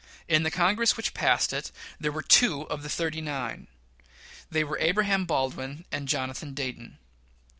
In the Congress which passed it there were two of the "thirty nine." They were Abraham Baldwin and Jonathan Dayton.